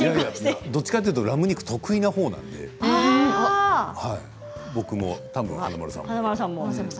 どっちかと言うとラム肉得意なほうなので僕も、たぶん華丸さんも。